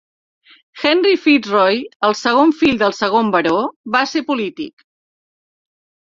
Henry FitzRoy, el segon fill del segon baró, va ser polític.